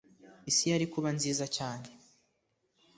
isi yari kuba nziza cyane